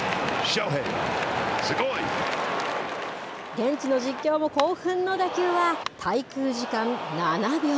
現地の実況も興奮の打球は、滞空時間７秒。